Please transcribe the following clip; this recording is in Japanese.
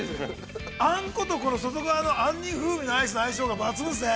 あんこと、この外側の杏仁風味のアイスの相性が抜群ですね。